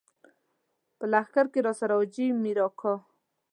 په لښکر کې راسره حاجي مير اکا.